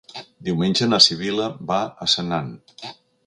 Diumenge na Sibil·la va a Senan.